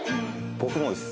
僕もです。